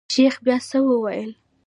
شيخ بيا څه وويل.